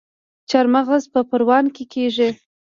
چارمغز په پروان کې کیږي